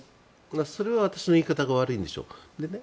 それは私の言い方が悪いんでしょう。